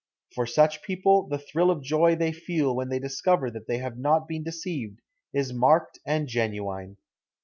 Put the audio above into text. For such people the thrill of joy they feel when they discover that they have not been deceived is marked and genuine.